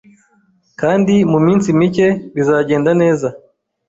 Kandi muminsi mike bizagenda neza